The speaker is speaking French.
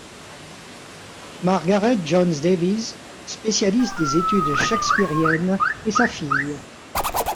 Margaret Jones-Davies, spécialiste des études shakespeariennes, est sa fille.